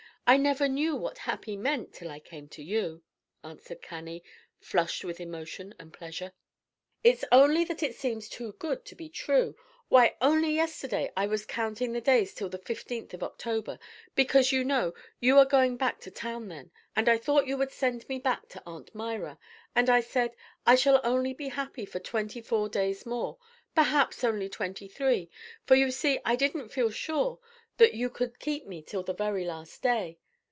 I never knew what happy meant, till I came to you," answered Cannie, flushed with emotion and pleasure. "It's only that it seems too good to be true! Why, only yesterday I was counting the days till the fifteenth of October; because, you know, you are going back to town then, and I thought you would send me back to Aunt Myra, and I said, 'I shall only be happy for twenty four days more, perhaps only twenty three,' for, you see, I didn't feel sure that you could keep me till the very last day.